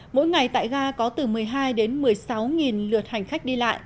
mỗi ngày tại ga có từ một mươi hai đến một mươi sáu lượt hành khách